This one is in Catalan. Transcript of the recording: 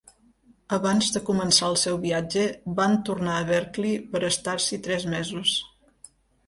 Abans de començar el seu viatge, van tornar a Berkeley per estar-s'hi tres mesos.